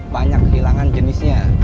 banyak kehilangan jenisnya